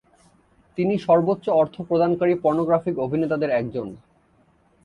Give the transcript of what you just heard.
তিনি সর্বোচ্চ অর্থ প্রদানকারী পর্নোগ্রাফিক অভিনেতাদের একজন।